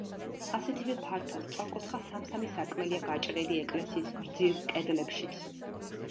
ასეთივე ფართო სწორკუთხა სამ-სამი სარკმელია გაჭრილი ეკლესიის გრძივ კედლებშიც.